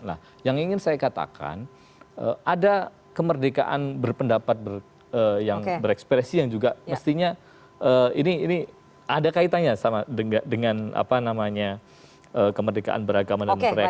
nah yang ingin saya katakan ada kemerdekaan berpendapat yang berekspresi yang juga mestinya ini ada kaitannya sama dengan apa namanya kemerdekaan beragama dan mereka